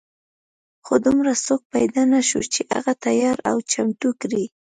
خو دومره څوک پیدا نه شو چې هغه تیار او چمتو کړي.